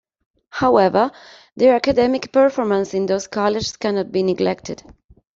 However, their academic performance in those college cannot be neglected.